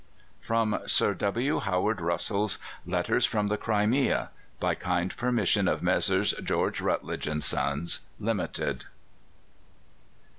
From Sir W. Howard Russell's "Letters from the Crimea." By kind permission of Messrs. George Routledge and Sons, Ltd.